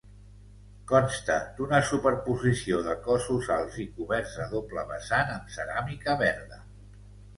Consta d'una superposició de cossos alts i coberts a doble vessant amb ceràmica verda.